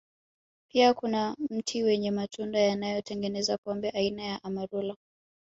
Pia kuna mti wenye matunda yanayotengeneza pombe aina ya Amarula